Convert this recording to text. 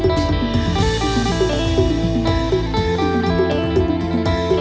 เธอไม่รู้ว่าเธอไม่รู้